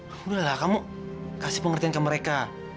kamu udah lah kamu kasih pengertian ke mereka